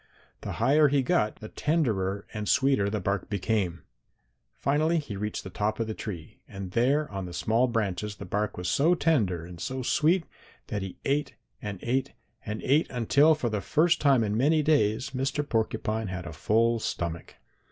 The higher he got the tenderer and sweeter the bark became. Finally he reached the top of the tree, and there on the small branches the bark was so tender and so sweet that he ate and ate and ate until for the first time in many days Mr. Porcupine had a full stomach.